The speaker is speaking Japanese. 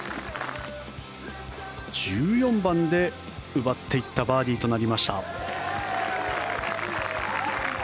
１４番で奪っていったバーディーとなりました。